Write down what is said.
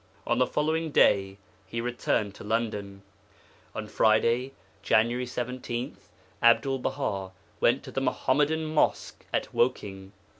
On the following day He returned to London. On Friday, Jan. 17, Abdul Baha went to the Muhammadan Mosque at Woking.